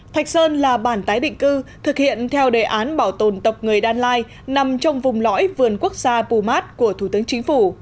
thạch sơn là bản tái định cư thực hiện theo đề án bảo tồn tộc người đan lai nằm trong vùng lõi vườn quốc gia pumat của thủ tướng chính phủ